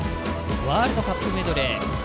ワールドカップメドレー。